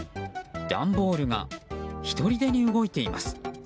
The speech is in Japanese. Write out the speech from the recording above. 段ボールがひとりでに動いています。